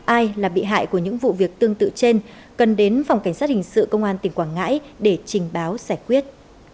ai là bị hại của những vụ việc tương tự trên cần đến phòng cảnh sát hình sự công an tỉnh quảng ngãi để trình báo giải quyết